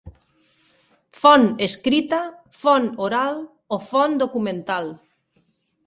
Font escrita, Font oral o Font documental.